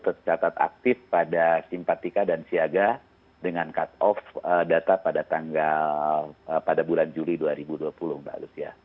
tercatat aktif pada simpatika dan siaga dengan cut off data pada tanggal pada bulan juli dua ribu dua puluh mbak lucia